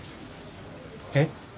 えっ？